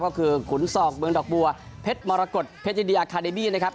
ก็คือขุนศอกเมืองดอกบัวเพชรมรกฏเพชรยินดีอาคาเดบี้นะครับ